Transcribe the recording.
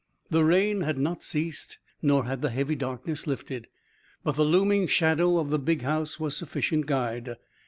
The rain had not ceased nor had the heavy darkness lifted, but the looming shadow of the big house was sufficient guide.